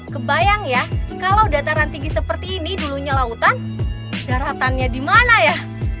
kebayang ya kalau dataran tinggi seperti ini dulunya lautan daratannya di mana ya